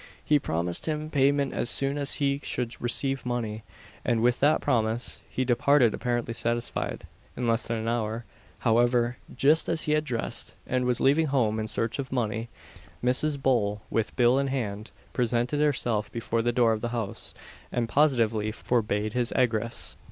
He promised him payment as soon as he should receive money, and with that promise he departed apparently satisfied. In less than an hour, however, just as he had dressed, and was leaving home in search of money, Mrs. Bull, with bill in hand, presented herself before the door of the house, and positively forbade his egress.